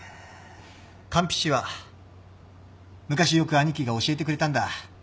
韓非子は昔よく兄貴が教えてくれたんだ。